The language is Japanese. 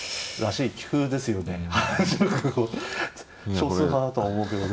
少数派だとは思うけれども。